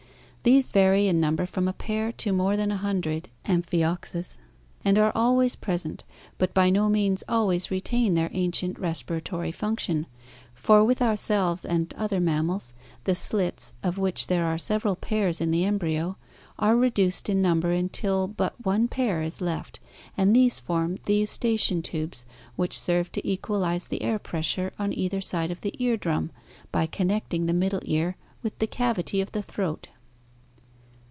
These vary in number from a pair to more than a hundred {Amphioxus) and are always present, but by no means always retain their ancient respiratory function, for with ourselves and other mammals, the slits, of which there are several pairs in the embryo, are reduced in number until but one pair is left and these form the eustachian tubes which serve to equalize the air pressure on either side of the ear drum by connecting the middle ear with the cavity of the throat.